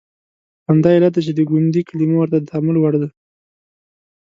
همدا علت دی چې د ګوندي کلمه ورته د تامل وړ ده.